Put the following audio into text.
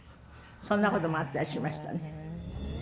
そんなこともあったりしましたね。